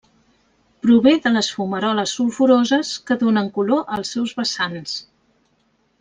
Prové de les fumaroles sulfuroses que donen color als seus vessants.